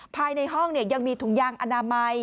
ภายในห้องยังมีถุงยางอนามัย